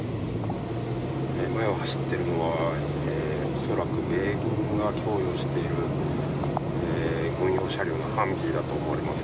前を走っているのは恐らく米軍が供与している軍用車両だと思われます。